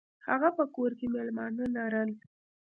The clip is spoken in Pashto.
هغه په کور کې میلمانه لرل.